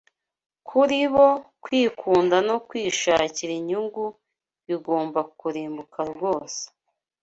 Kuri bo kwikunda no kwishakira inyungu bigomba kurimbuka rwose